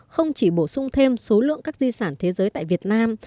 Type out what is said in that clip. không chỉ bổ sung thêm số lượng các di sản thế giới tại việt nam